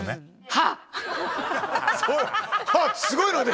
すごい。